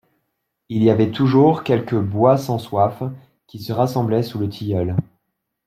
Il y avait toujours quelques boit-sans-soif qui se rassemblaient sous le tilleul.